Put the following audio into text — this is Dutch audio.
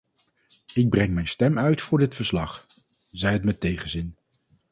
Ik breng mijn stem uit voor dit verslag, zij het met tegenzin.